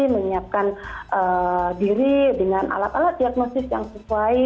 menyiapkan diri dengan alat alat diagnosis yang sesuai